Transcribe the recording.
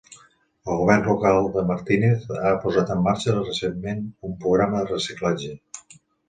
El govern local de Martínez ha posat en marxa recentment un programa de reciclatge.